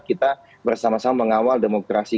kita bersama sama mengawal demokrasi